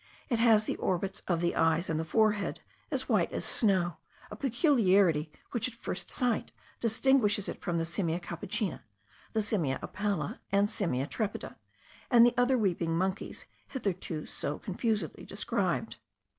It has the orbits of the eyes and the forehead as white as snow, a peculiarity which at first sight distinguishes it from the Simia capucina, the Simia apella, the Simia trepida, and the other weeping monkeys hitherto so confusedly described.